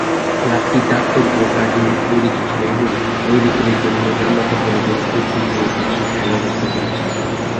ক্লাবটি দাতব্য কাজেও জড়িত ছিলো, এবং দরিদ্রদের জন্য জামাকাপড় এবং এতিম মেয়েদের শিক্ষার ব্যবস্থা করেছিল।